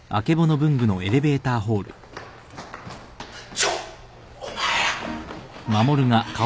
ちょっお前ら。